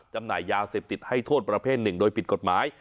จำหน่ายยาเสพติดให้โทษประเภทหนึ่งโดยผิดกฎหมาย